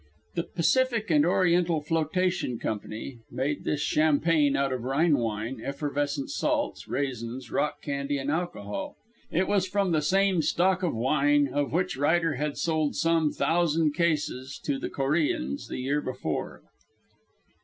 The Pacific and Oriental Flotation Company made this champagne out of Rhine wine, effervescent salts, raisins, rock candy and alcohol. It was from the same stock of wine of which Ryder had sold some thousand cases to the Coreans the year before.